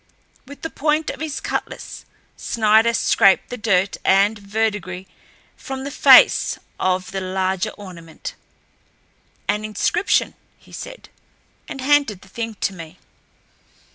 With the point of his cutlass Snider scraped the dirt and verdigris from the face of the larger ornament. "An inscription," he said, and handed the thing to me.